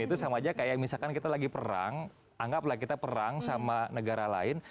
itu sama aja kayak misalkan kita lagi perang anggaplah kita perang sama negara lain